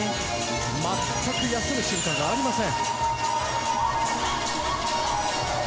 まったく休む瞬間がありません。